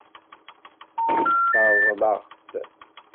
Teṛḍel-aɣ-t.